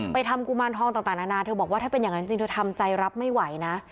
ทำกุมารทองต่างนานาเธอบอกว่าถ้าเป็นอย่างนั้นจริงเธอทำใจรับไม่ไหวนะ